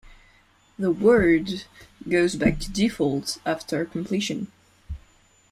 The word goes back to default after completion.